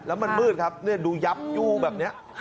แล้วมันมืดครับดูยับยู่แบบนี้